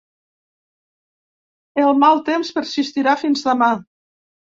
El mal temps persistirà fins demà.